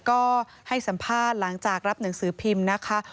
ก็ให้สัมภาษณ์หลังจากรับหนังสือพิมพ์นะคะ